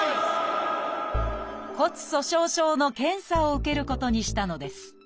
骨粗しょう症の検査を受けることにしたのです。